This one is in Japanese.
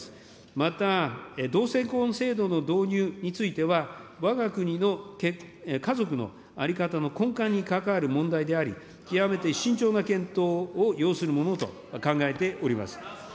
また同性婚制度の導入については、わが国の家族の在り方の根幹にかかわる問題であり、極めて慎重な検討を要するものと考えております。